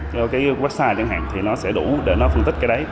cho cái website chẳng hạn thì nó sẽ đủ để nó phân tích cái đấy